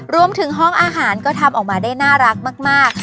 รวมถึงห้องอาหารก็ทำออกมาได้น่ารักมาก